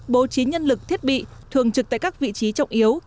bố trí nhân lực thiết bị thường trực tại các vị trí trọng yếu